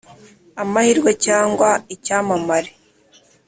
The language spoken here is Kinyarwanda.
amahirwe cyangwa icyamamare